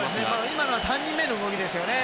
今のは３人目の動きですよね。